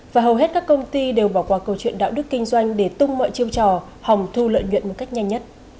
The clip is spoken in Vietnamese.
và hầu hết các công ty đều bỏ qua câu chuyện đạo đức kinh doanh để tung mọi chiêu trò hòng thu lợi nhuận một cách nhanh nhất